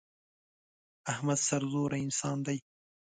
احمد سرزوره انسان دی.